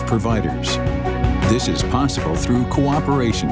dan industri sistem uang uang